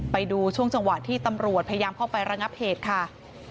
ไปดูช่วงจังหวะที่ตำรวจพยายามเข้าไประงับเหตุค่ะ